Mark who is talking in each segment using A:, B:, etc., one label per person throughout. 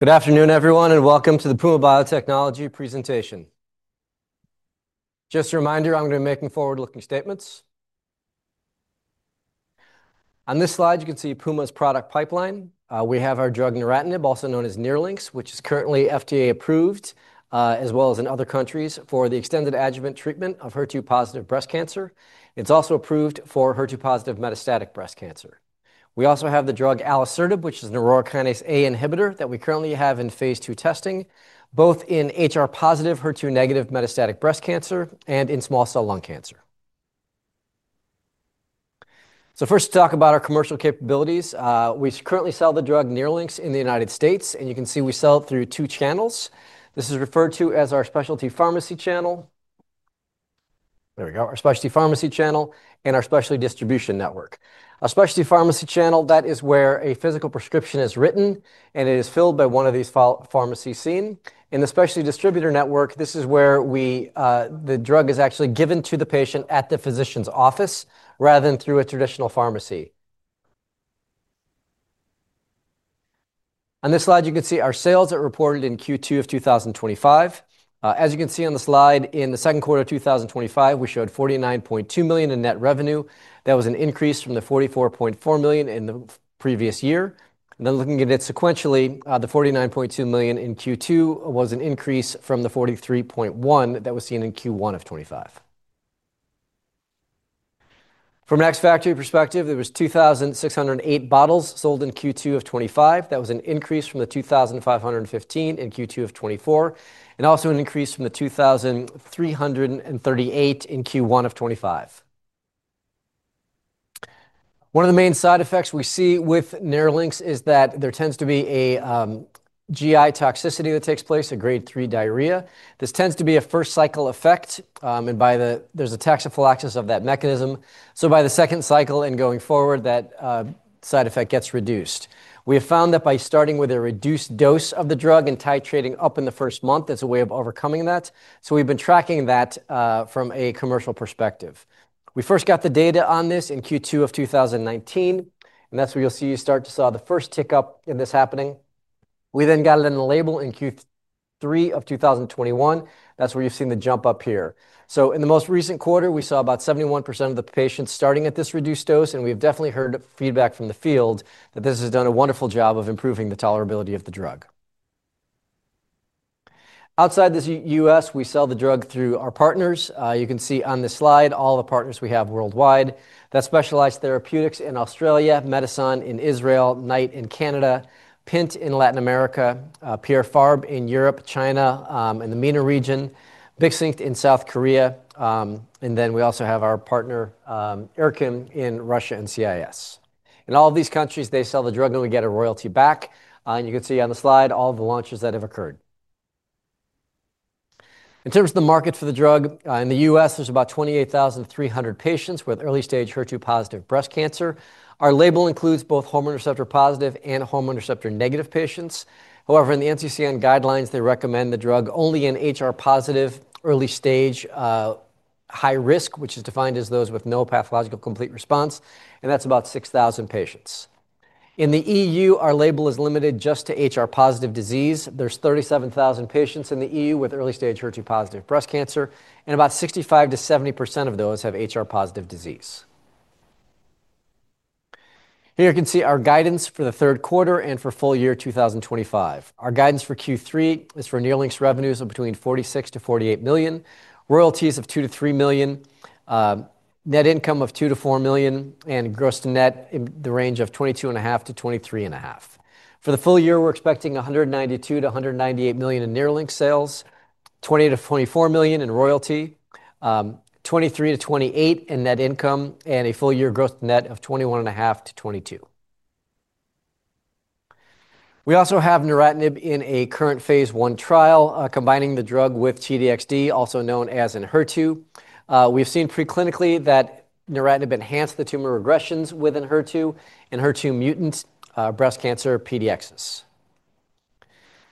A: Good afternoon, everyone, and welcome to the Puma Biotechnology presentation. Just a reminder, I'm going to be making forward-looking statements. On this slide, you can see Puma's product pipeline. We have our drug NERLYNX, also known as neratinib, which is currently FDA-approved, as well as in other countries for the extended adjuvant treatment of HER2-positive breast cancer. It's also approved for HER2-positive metastatic breast cancer. We also have the drug alisertib, which is an Aurora kinase A inhibitor that we currently have in phase 2 testing, both in hormone receptor-positive, HER2-negative metastatic breast cancer, and in small cell lung cancer. First, to talk about our commercial capabilities, we currently sell the drug NERLYNX in the United States, and you can see we sell it through two channels. This is referred to as our specialty pharmacy channel. There we go, our specialty pharmacy channel and our specialty distribution network. Our specialty pharmacy channel, that is where a physical prescription is written, and it is filled by one of these pharmacies seen. In the specialty distributor network, this is where the drug is actually given to the patient at the physician's office rather than through a traditional pharmacy. On this slide, you can see our sales are reported in Q2 of 2025. As you can see on the slide, in the second quarter of 2025, we showed $49.2 million in net revenue. That was an increase from the $44.4 million in the previous year. Looking at it sequentially, the $49.2 million in Q2 was an increase from the $43.1 million that was seen in Q1 of 2025. From an X Factor perspective, there were 2,608 bottles sold in Q2 of 2025. That was an increase from the 2,515 in Q2 of 2024, and also an increase from the 2,338 in Q1 of 2025. One of the main side effects we see with NERLYNX is that there tends to be a GI toxicity that takes place, a grade 3 diarrhea. This tends to be a first cycle effect, and there's a taxafull access of that mechanism. By the second cycle and going forward, that side effect gets reduced. We have found that by starting with a reduced dose of the drug and titrating up in the first month, there's a way of overcoming that. We've been tracking that from a commercial perspective. We first got the data on this in Q2 of 2019, and that's where you'll see you start to saw the first tick up in this happening. We then got it in the label in Q3 of 2021. That's where you've seen the jump up here. In the most recent quarter, we saw about 71% of the patients starting at this reduced dose, and we've definitely heard feedback from the field that this has done a wonderful job of improving the tolerability of the drug. Outside the U.S., we sell the drug through our partners. You can see on this slide all the partners we have worldwide. That's Specialised Therapeutics in Australia, Medison in Israel, Knight Therapeutics in Canada, Pint Pharma in Latin America, Pierre Fabre in Europe, China, and the MENA region, Bixink in South Korea, and then we also have our partner Erkim in Russia and CIS. In all of these countries, they sell the drug, and we get a royalty back. You can see on the slide all the launches that have occurred. In terms of the market for the drug, in the U.S., there's about 28,300 patients with early stage HER2-positive breast cancer. Our label includes both hormone receptor-positive and hormone receptor-negative patients. However, in the NCCN guidelines, they recommend the drug only in HR-positive, early stage, high risk, which is defined as those with no pathological complete response, and that's about 6,000 patients. In the EU, our label is limited just to HR-positive disease. There's 37,000 patients in the EU with early stage HER2-positive breast cancer, and about 65% to 70% of those have HR-positive disease. Here you can see our guidance for the third quarter and for full year 2025. Our guidance for Q3 is for NERLYNX revenues of between $46 million to $48 million, royalties of $2 million to $3 million, net income of $2 million to $4 million, and gross to net in the range of 22.5% to 23.5%. For the full year, we're expecting $192 million to $198 million in NERLYNX sales, $20 million to $24 million in royalty, $23 million to $28 million in net income, and a full year gross to net of 21.5% to 22%. We also have NERLYNX in a current phase one trial combining the drug with T-DXd, also known as ENHERTU. We've seen preclinically that NERLYNX enhanced the tumor regressions with ENHERTU in HER2 and HER2 mutant breast cancer PDXs.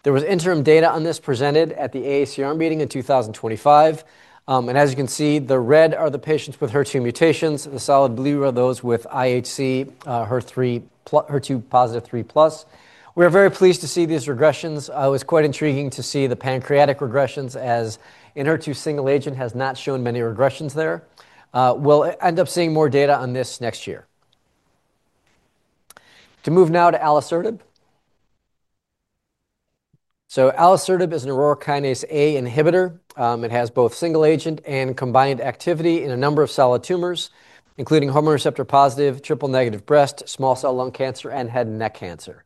A: There was interim data on this presented at the AACR meeting in 2025. As you can see, the red are the patients with HER2 mutations. The solid blue are those with IHC HER2-positive 3+. We're very pleased to see these regressions. It was quite intriguing to see the pancreatic regressions, as ENHERTU single agent has not shown many regressions there. We'll end up seeing more data on this next year. To move now to alisertib. Alisertib is an Aurora kinase A inhibitor. It has both single-agent and combination activity in a number of solid tumors, including hormone receptor-positive, triple negative breast, small cell lung cancer, and head and neck cancer.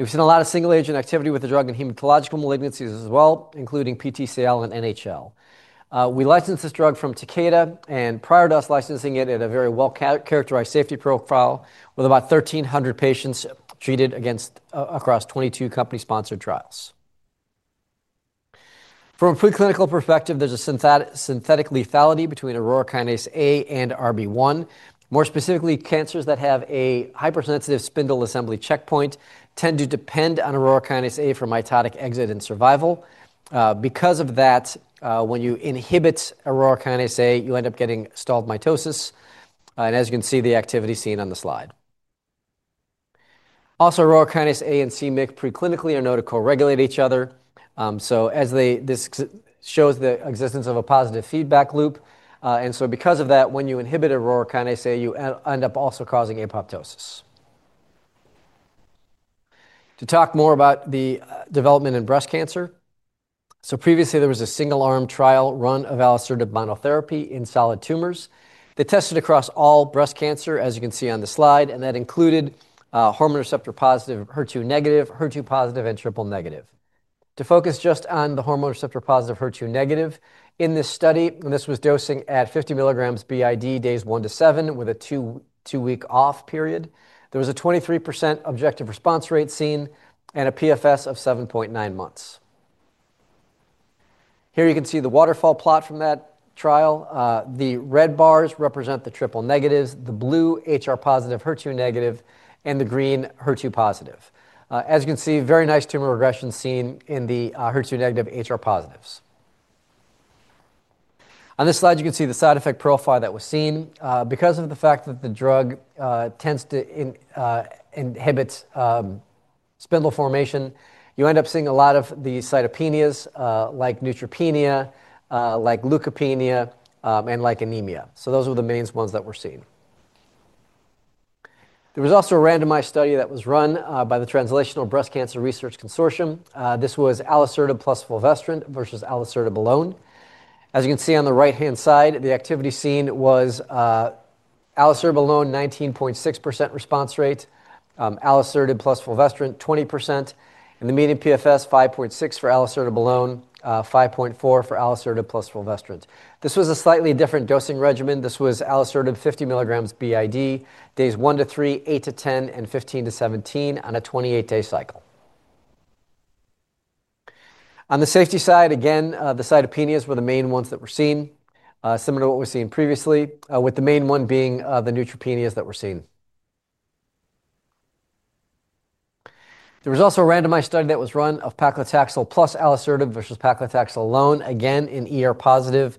A: We've seen a lot of single-agent activity with the drug in hematological malignancies as well, including PTCL and NHL. We licensed this drug from Takeda, and prior to us licensing it, it had a very well-characterized safety profile with about 1,300 patients treated across 22 company-sponsored trials. From a preclinical perspective, there's a synthetic lethality between Aurora kinase A and RB1. More specifically, cancers that have a hypersensitive spindle assembly checkpoint tend to depend on Aurora kinase A for mitotic exit and survival. Because of that, when you inhibit Aurora kinase A, you end up getting stalled mitosis. As you can see, the activity is seen on the slide. Also, Aurora kinase A and MYC preclinically are known to co-regulate each other. This shows the existence of a positive feedback loop. Because of that, when you inhibit Aurora kinase A, you end up also causing apoptosis. To talk more about the development in breast cancer, previously, there was a single-arm trial run of alisertib monotherapy in solid tumors. They tested across all breast cancer, as you can see on the slide, and that included hormone receptor-positive, HER2-negative, HER2-positive, and triple negative. To focus just on the hormone receptor-positive, HER2-negative, in this study, this was dosing at 50 milligrams BID days one to seven with a two-week off period. There was a 23% objective response rate seen and a PFS of 7.9 months. Here you can see the waterfall plot from that trial. The red bars represent the triple negatives, the blue HR-positive, HER2-negative, and the green HER2-positive. As you can see, very nice tumor regression seen in the HER2-negative HR-positives. On this slide, you can see the side effect profile that was seen. Because of the fact that the drug tends to inhibit spindle formation, you end up seeing a lot of the cytopenias like neutropenia, like leukopenia, and like anemia. Those were the main ones that were seen. There was also a randomized study that was run by the Translational Breast Cancer Research Consortium. This was alisertib plus fulvestrant versus alisertib alone. As you can see on the right-hand side, the activity seen was alisertib alone, 19.6% response rate, alisertib plus fulvestrant, 20%, and the median PFS 5.6 for alisertib alone, 5.4 for alisertib plus fulvestrant. This was a slightly different dosing regimen. This was alisertib 50 milligrams BID days one to three, eight to ten, and 15 to 17 on a 28-day cycle. On the safety side, again, the cytopenias were the main ones that were seen, similar to what we've seen previously, with the main one being the neutropenias that were seen. There was also a randomized study that was run of paclitaxel plus alisertib versus paclitaxel alone, again in positive,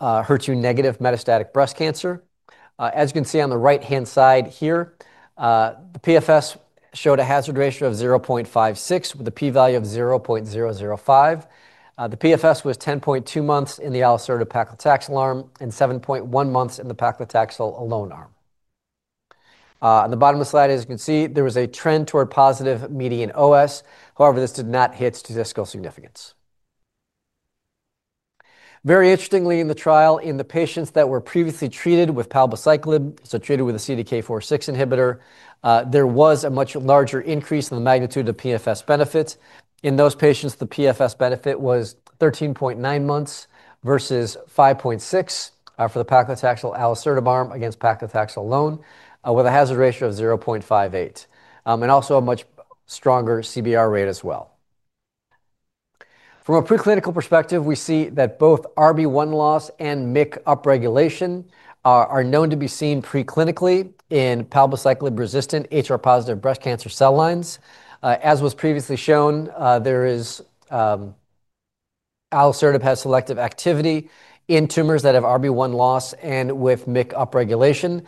A: HER2-negative metastatic breast cancer. As you can see on the right-hand side here, the PFS showed a hazard ratio of 0.56 with a P-value of 0.005. The PFS was 10.2 months in the alisertib paclitaxel arm and 7.1 months in the paclitaxel alone arm. On the bottom of the slide, as you can see, there was a trend toward positive median OS. However, this did not hit statistical significance. Very interestingly, in the trial in the patients that were previously treated with palbociclib, so treated with a CDK4/6 inhibitor, there was a much larger increase in the magnitude of the PFS benefit. In those patients, the PFS benefit was 13.9 months versus 5.6 for the paclitaxel alisertib arm against paclitaxel alone, with a hazard ratio of 0.58 and also a much stronger CBR rate as well. From a preclinical perspective, we see that both RB1 loss and MYC upregulation are known to be seen preclinically in palbociclib-resistant HR positive breast cancer cell lines. As was previously shown, alisertib has selective activity in tumors that have RB1 loss and with MYC upregulation.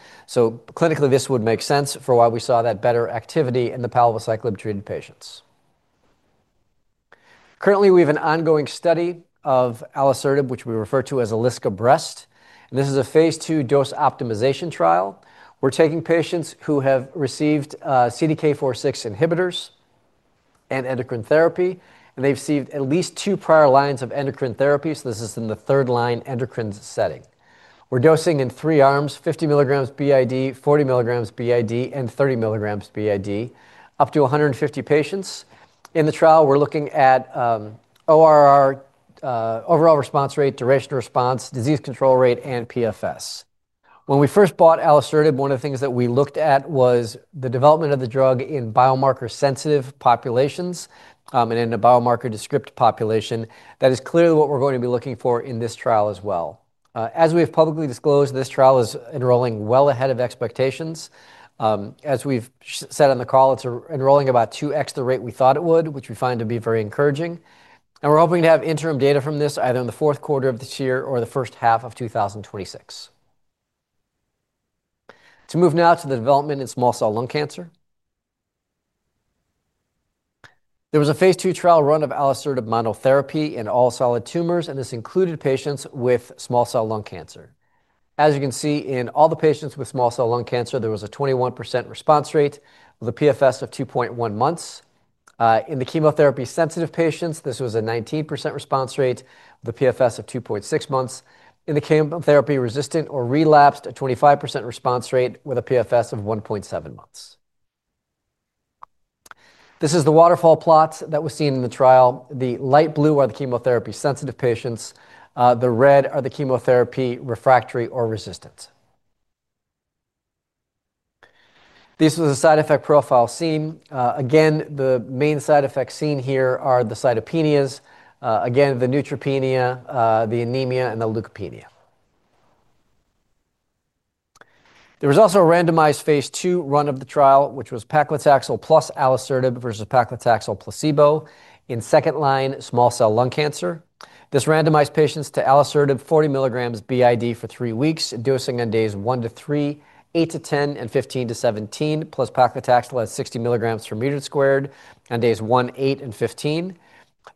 A: Clinically, this would make sense for why we saw that better activity in the palbociclib-treated patients. Currently, we have an ongoing study of alisertib, which we refer to as Alysca breast. This is a phase 2 dose optimization trial. We're taking patients who have received CDK4/6 inhibitors and endocrine therapy, and they've received at least two prior lines of endocrine therapy. This is in the third line endocrine setting. We're dosing in three arms: 50 milligrams BID, 40 milligrams BID, and 30 milligrams BID up to 150 patients. In the trial, we're looking at ORR, overall response rate, duration of response, disease control rate, and PFS. When we first bought alisertib, one of the things that we looked at was the development of the drug in biomarker-sensitive populations and in a biomarker-descript population. That is clearly what we're going to be looking for in this trial as well. As we've publicly disclosed, this trial is enrolling well ahead of expectations. As we've said on the call, it's enrolling about 2x the rate we thought it would, which we find to be very encouraging. We're hoping to have interim data from this either in the fourth quarter of this year or the first half of 2026. To move now to the development in small cell lung cancer. There was a phase 2 trial run of alisertib monotherapy in all solid tumors, and this included patients with small cell lung cancer. As you can see, in all the patients with small cell lung cancer, there was a 21% response rate with a PFS of 2.1 months. In the chemotherapy-sensitive patients, this was a 19% response rate with a PFS of 2.6 months. In the chemotherapy-resistant or relapsed, a 25% response rate with a PFS of 1.7 months. This is the waterfall plot that was seen in the trial. The light blue are the chemotherapy-sensitive patients. The red are the chemotherapy-refractory or resistant. This was a side effect profile seen. The main side effects seen here are the cytopenias, the neutropenia, the anemia, and the leukopenia. There was also a randomized phase 2 run of the trial, which was paclitaxel plus alisertib versus paclitaxel placebo in second line small cell lung cancer. This randomized patients to alisertib 40 milligrams BID for three weeks, dosing on days 1 to 3, 8 to 10, and 15 to 17, plus paclitaxel at 60 milligrams per meter squared on days 1, 8, and 15.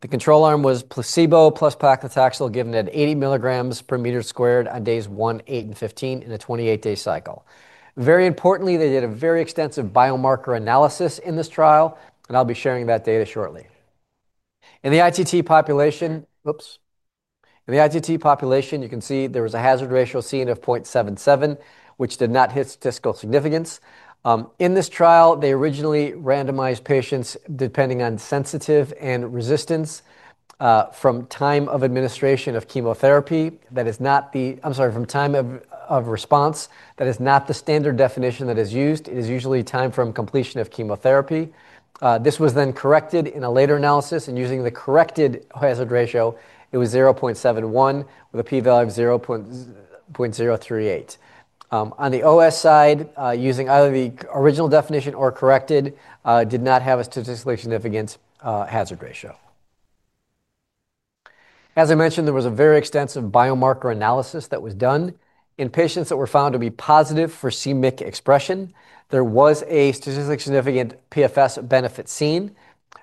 A: The control arm was placebo plus paclitaxel given at 80 milligrams per meter squared on days 1, 8, and 15 in a 28-day cycle. Very importantly, they did a very extensive biomarker analysis in this trial, and I'll be sharing that data shortly. In the ITT population, you can see there was a hazard ratio seen of 0.77, which did not hit statistical significance. In this trial, they originally randomized patients depending on sensitive and resistance from time of administration of chemotherapy. That is not the, I'm sorry, from time of response. That is not the standard definition that is used. It is usually time from completion of chemotherapy. This was then corrected in a later analysis, and using the corrected hazard ratio, it was 0.71 with a P-value of 0.038. On the OS side, using either the original definition or corrected, did not have a statistically significant hazard ratio. As I mentioned, there was a very extensive biomarker analysis that was done in patients that were found to be positive for MYC expression. There was a statistically significant PFS benefit seen.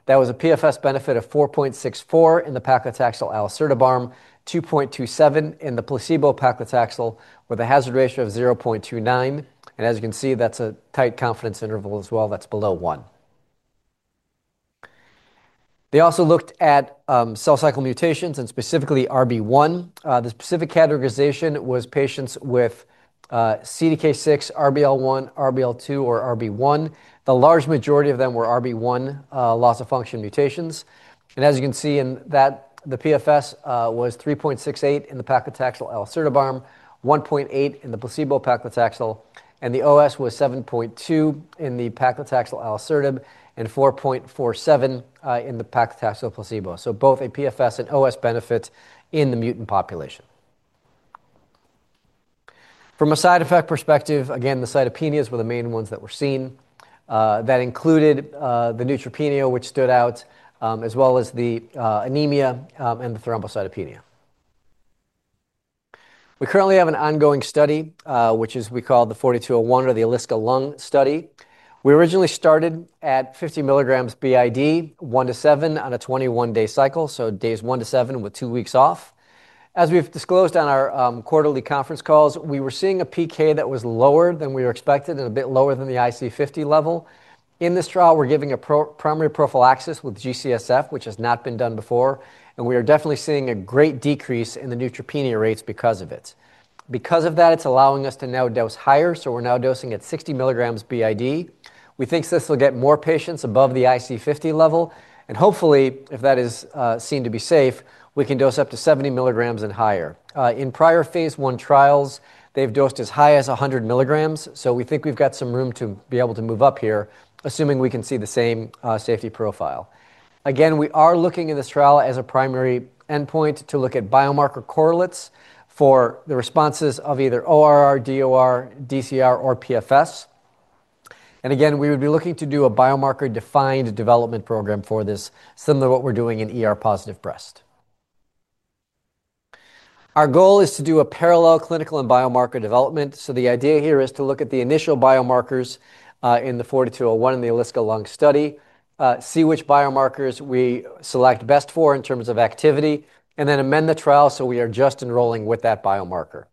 A: That was a PFS benefit of 4.64 in the paclitaxel alisertib arm, 2.27 in the placebo paclitaxel with a hazard ratio of 0.29. As you can see, that's a tight confidence interval as well. That's below one. They also looked at cell cycle mutations and specifically RB1. The specific categorization was patients with CDK6, RBL1, RBL2, or RB1. The large majority of them were RB1 loss of function mutations. As you can see in that, the PFS was 3.68 in the paclitaxel alisertib arm, 1.8 in the placebo paclitaxel, and the OS was 7.2 in the paclitaxel alisertib and 4.47 in the paclitaxel placebo. Both a PFS and OS benefit in the mutant population were observed. From a side effect perspective, again, the cytopenias were the main ones that were seen. That included the neutropenia, which stood out, as well as the anemia and the thrombocytopenia. We currently have an ongoing study, which we call the 4201 or the Alysca lung study. We originally started at 50 milligrams BID one to seven on a 21-day cycle, so days one to seven with two weeks off. As we've disclosed on our quarterly conference calls, we were seeing a PK that was lower than we expected and a bit lower than the IC50 level. In this trial, we're giving a primary prophylaxis with GCSF, which has not been done before, and we are definitely seeing a great decrease in the neutropenia rates because of it. Because of that, it's allowing us to now dose higher, so we're now dosing at 60 milligrams BID. We think this will get more patients above the IC50 level, and hopefully, if that is seen to be safe, we can dose up to 70 milligrams and higher. In prior phase one trials, they've dosed as high as 100 milligrams, so we think we've got some room to be able to move up here, assuming we can see the same safety profile. Again, we are looking at this trial as a primary endpoint to look at biomarker correlates for the responses of either ORR, DOR, DCR, or PFS. We would be looking to do a biomarker-defined development program for this, similar to what we're doing in positive breast. Our goal is to do a parallel clinical and biomarker development. The idea here is to look at the initial biomarkers in the 4201 and the ALISCA lung study, see which biomarkers we select best for in terms of activity, and then amend the trial so we are just enrolling with that biomarker.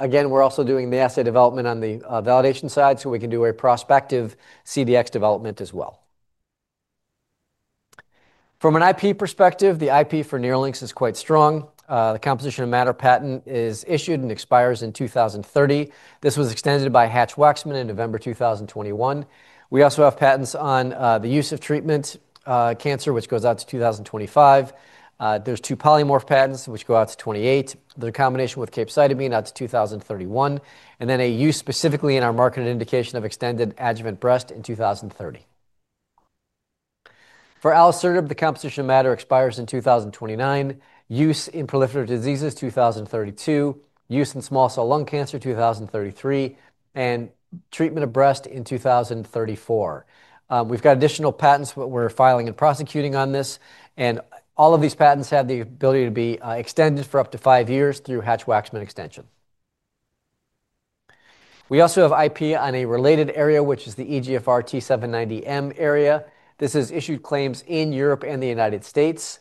A: Again, we're also doing the assay development on the validation side so we can do a prospective CDX development as well. From an IP perspective, the IP for NERLYNX is quite strong. The composition of matter patent is issued and expires in 2030. This was extended by Hatch-Waxman in November 2021. We also have patents on the use of treatment cancer, which goes out to 2025. There are two polymorph patents, which go out to 2028. There is a combination with capecitabine out to 2031, and then a use specifically in our marketed indication of extended adjuvant breast in 2030. For alisertib, the composition of matter expires in 2029. Use in proliferative diseases 2032, use in small cell lung cancer 2033, and treatment of breast in 2034. We've got additional patents, but we're filing and prosecuting on this, and all of these patents have the ability to be extended for up to five years through Hatch-Waxman extension. We also have IP on a related area, which is the EGFR T790M area. This has issued claims in Europe and the United States.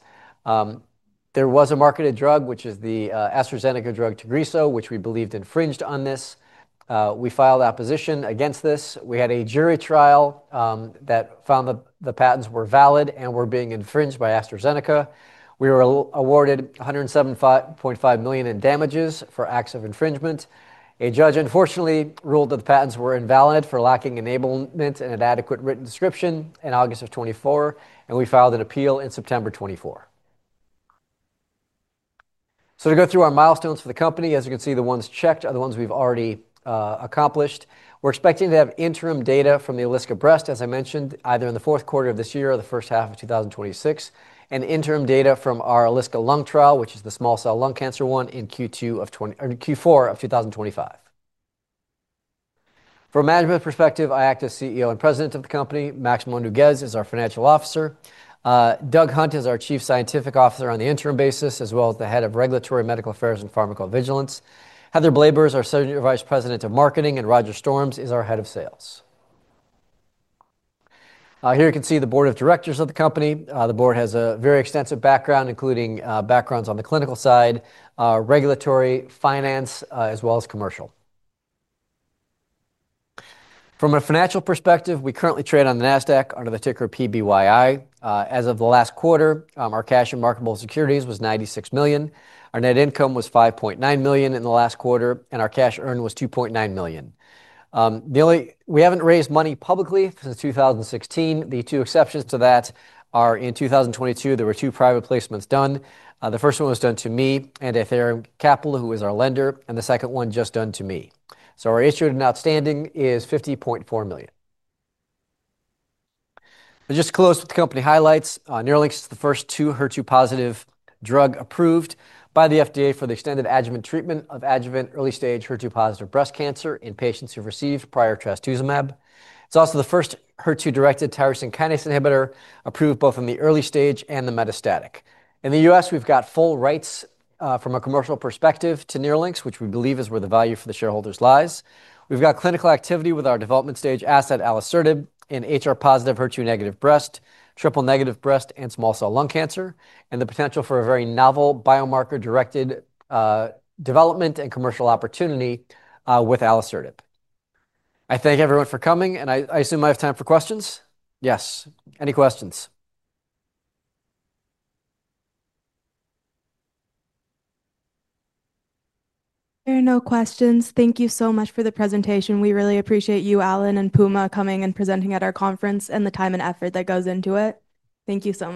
A: There was a marketed drug, which is the AstraZeneca drug Tagrisso, which we believed infringed on this. We filed opposition against this. We had a jury trial that found that the patents were valid and were being infringed by AstraZeneca. We were awarded $107.5 million in damages for acts of infringement. A judge, unfortunately, ruled that the patents were invalid for lacking enablement and an adequate written description in August of 2024, and we filed an appeal in September 2024. To go through our milestones for the company, as you can see, the ones checked are the ones we've already accomplished. We're expecting to have interim data from the ALISCA breast, as I mentioned, either in the fourth quarter of this year or the first half of 2026, and interim data from our ALISCA lung trial, which is the small cell lung cancer one in Q4 of 2025. From a management perspective, I act as CEO and President of the company. Maximo F. Nougues is our Financial Officer. Doug Hunt is our Chief Scientific Officer on the interim basis, as well as the Head of Regulatory Medical Affairs and Pharmacovigilance. Heather Bleibers is our Senior Vice President of Marketing, and Roger Storms is our Head of Sales. Here you can see the Board of Directors of the company. The board has a very extensive background, including backgrounds on the clinical side, regulatory, finance, as well as commercial. From a financial perspective, we currently trade on the NASDAQ under the ticker PBYI. As of the last quarter, our cash and marketable securities was $96 million. Our net income was $5.9 million in the last quarter, and our cash earned was $2.9 million. We haven't raised money publicly since 2016. The two exceptions to that are in 2022, there were two private placements done. The first one was done to me and Athyrium Capital, who is our lender, and the second one just done to me. Our issued and outstanding is 50.4 million. I'll just close with the company highlights. NERLYNX is the first HER2-positive drug approved by the FDA for the extended adjuvant treatment of early stage HER2-positive breast cancer in patients who've received prior trastuzumab. It's also the first HER2-directed tyrosine kinase inhibitor approved both in the early stage and the metastatic. In the U.S., we've got full rights from a commercial perspective to NERLYNX, which we believe is where the value for the shareholders lies. We've got clinical activity with our development stage asset alisertib in hormone receptor-positive, HER2-negative breast, triple negative breast, and small cell lung cancer, and the potential for a very novel biomarker-directed development and commercial opportunity with alisertib. I thank everyone for coming, and I assume I have time for questions. Yes, any questions?
B: There are no questions. Thank you so much for the presentation. We really appreciate you, Alan, and Puma coming and presenting at our conference and the time and effort that goes into it. Thank you so much.